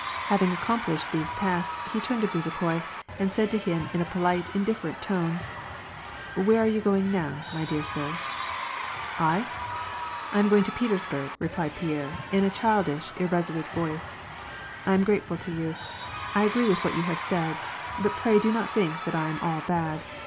Hav ing accomplished these tasks, he turned to Bezukhoi, and said to him in a polite, indifferent tone, —" Where are you going now, my dear sir ?" "I — I am going to Petersburg," replied Pierre, in a child ish, irresolute voice. "Tarn grateful to you. I agree with what you have said. But pray do not think that I am all bad